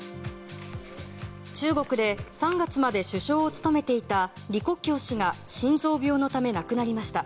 中国で３月まで首相を務めていた李克強氏が心臓病のため亡くなりました。